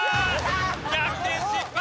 逆転失敗！